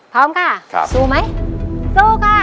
พร้อมก่ะ